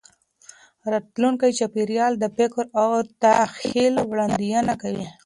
راتلونکي چاپېریال د فکر او تخیل وړاندوینه کوي.